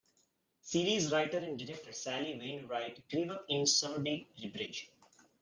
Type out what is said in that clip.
Series writer and director Sally Wainwright grew up in Sowerby Bridge.